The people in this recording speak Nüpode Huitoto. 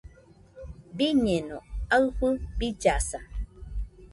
Biñeno aɨfɨ billasa.